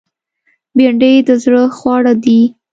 بېنډۍ د زړه خواړه دي